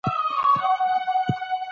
عدالت د سولې بنسټ جوړوي.